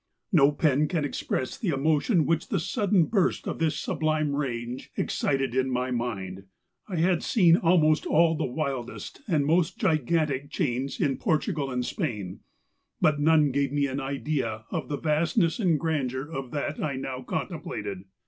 No pen can ex¬ press the emotion which the sudden burst of this sublime range excited in my mind. 1 had seen almovst all the wildest and most gigantic chains in Portugal and Spain, but none gave me an idea of the vastness and grandeur of that I now contemplated.